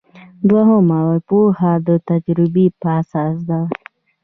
دوهمه پوهه د تجربې په اساس ده.